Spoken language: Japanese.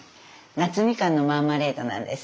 夏みかんのマーマレードなんです。